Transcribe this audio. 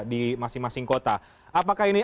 di masing masing kota apakah ini